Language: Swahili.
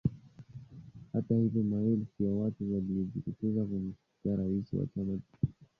Hata hivyo maelfu ya watu waliojitokeza kumsikiliza rais wa chama Chamisa akizungumza inaonyesha mambo haya.